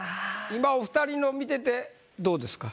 今お二人の見ててどうですか？